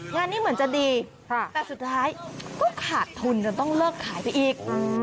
งานนี้เหมือนจะดีแต่สุดท้ายก็ขาดทุนจนต้องเลิกขายไปอีก